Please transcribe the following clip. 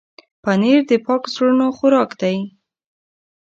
پنېر د پاک زړونو خوراک دی.